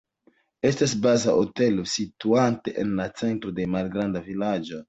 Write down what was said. Estas baza hotelo situanta en la centro de malgranda vilaĝo.